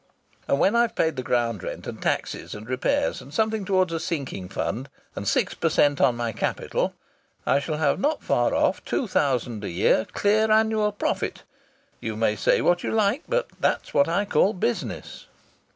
And when I've paid the ground rent and taxes and repairs, and something towards a sinking fund, and six per cent on my capital, I shall have not far off two thousand pounds a year clear annual profit. You may say what you like, but that's what I call business!"